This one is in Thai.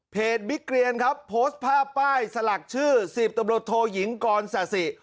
บิ๊กเรียนครับโพสต์ภาพป้ายสลักชื่อ๑๐ตำรวจโทยิงกรศาสิ